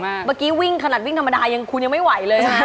เพราะเมื่อกี้วิ่งขนาดวิ่งธรรมดายังคุณยังไม่ไหวเลย